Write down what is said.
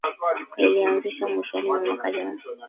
Ilianzishwa mwishoni mwa mwaka jana